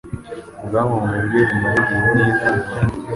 ubwamamare bwe bumare igihe nk’izuba